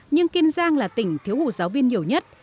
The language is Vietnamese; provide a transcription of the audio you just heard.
nhưng kiên giang là tỉnh thiếu hụt giáo viên nhiều nhất